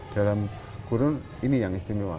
dalam kurun ini yang istimewa